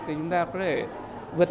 thì chúng ta có thể vượt ra